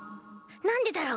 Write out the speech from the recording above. なんでだろう？